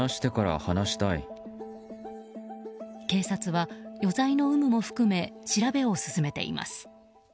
警察は余罪の有無も含め調べを進めています。